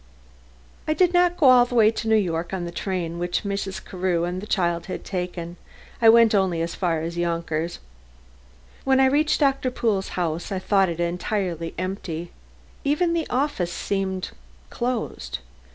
I did not go all the way to New York on the train which Mrs. Carew and the child had taken. I went only as far as Yonkers. When I reached Doctor Pool's house, I thought it entirely empty. Even the office seemed closed.